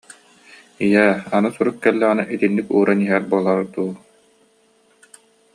ийээ, аны сурук кэллэҕинэ, итинник ууран иһэр буолаар дуу